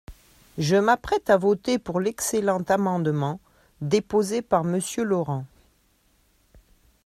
Je m’apprête à voter pour l’excellent amendement déposé par Monsieur Laurent.